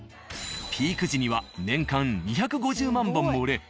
ピーク時には年間２５０万本も売れ